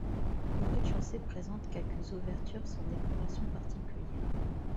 Le rez-de chaussée présente quelques ouvertures sans décoration particulière.